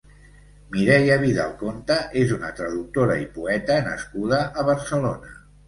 Mireia Vidal-Conte és una traductora i poeta nascuda a Barcelona.